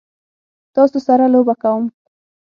تاسو سره لوبه کوم؟